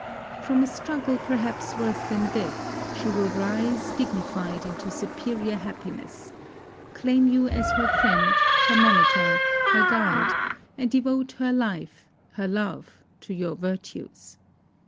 From a struggle perhaps worse than death, she will rise dignified into superior happiness: Claim you as her friend, her monitor, her guide; and devote her life, her love to your virtues!